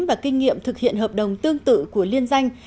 và kinh nghiệm thực hiện hợp đồng tương tự của liên danh